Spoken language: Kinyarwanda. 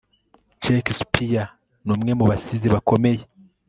Shakespeare numwe mubasizi bakomeye